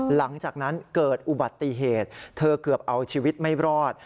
หลังจากนั้นเกิดอุบัติเหตุเธอเกือบเอาชีวิตไม่รอด